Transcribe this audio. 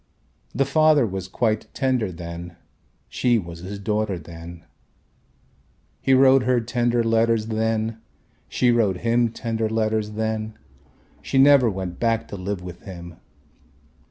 The father was quite tender then, she was his daughter then. He wrote her tender letters then, she wrote him tender letters then, she never went back to live with him.